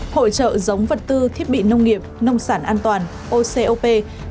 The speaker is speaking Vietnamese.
hội trợ giống vật tư thiết bị nông nghiệp nông sản an toàn ocop